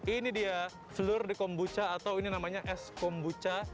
ini dia telur di kombucha atau ini namanya es kombucha